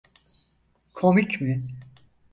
Komik mi?